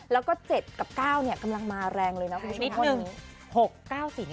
แล้วก็๗กับ๙กำลังมาแรงเลยนะคุณผู้ชม